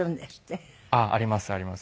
ありますあります。